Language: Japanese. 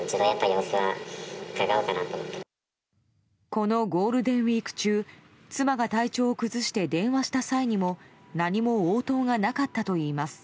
このゴールデンウィーク中妻が体調を崩して電話した際にも何も応答がなかったといいます。